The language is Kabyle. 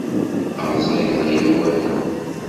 Ṛzageḍ ay awal.